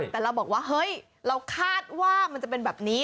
แต่เราบอกว่าเฮ้ยเราคาดว่ามันจะเป็นแบบนี้